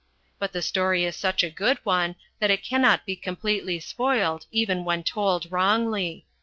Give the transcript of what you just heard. But the story is such a good one that it cannot be completely spoiled even when told wrongly.